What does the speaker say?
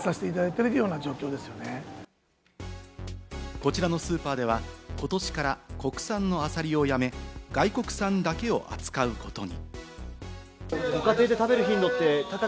こちらのスーパーでは今年から国産のアサリをやめ、外国産だけを扱うことに。